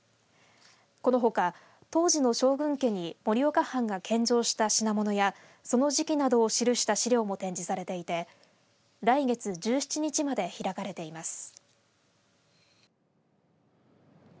このほか当時の将軍家に盛岡藩が献上した品物やその時期などを記した資料も展示されていて来月１７日まで開かれています。